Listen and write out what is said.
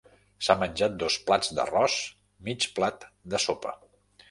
S'ha menjat dos plats d'arròs, mig plat de sopa.